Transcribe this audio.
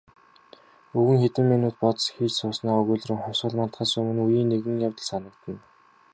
Өвгөн хэдэн минут бодос хийж сууснаа өгүүлрүүн "Хувьсгал мандахаас өмнө үеийн нэгэн явдал санагдана".